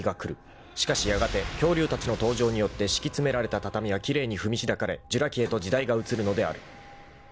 ［しかしやがて恐竜たちの登場によって敷き詰められた畳は奇麗に踏みしだかれジュラ紀へと時代が移るのである］